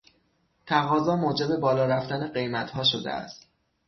تقاضا موجب بالا رفتن قیمتها شده است